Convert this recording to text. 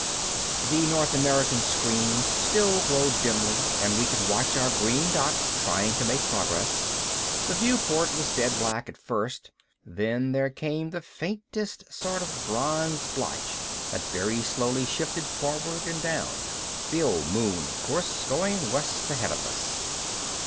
The North America screen still glowed dimly and we could watch our green dot trying to make progress. The viewport was dead black at first, then there came the faintest sort of bronze blotch that very slowly shifted forward and down. The Old Moon, of course, going west ahead of us.